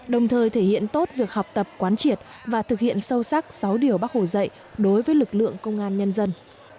đồng thời thể hiện tốt việc học tập quán triệt và thực hiện sâu sắc sáu điều bác hồ dạy đối với lực lượng công an nhân dân